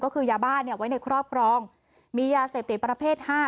ก็คือยาบ้าเนี่ยไว้ในครอบครองมียาเสพติดประเภท๕